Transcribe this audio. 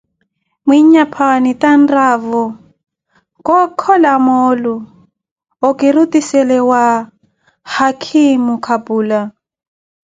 Mwinyapwaani phi anraavo ka kola moolu, okirutiisele wa haakhimo kapula.